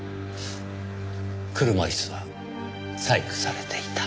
車椅子は細工されていた。